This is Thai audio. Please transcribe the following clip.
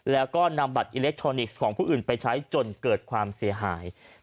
แล้วก็นำบัตรอิเล็กทรอนิกส์ของผู้อื่นไปใช้จนเกิดความเสียหาย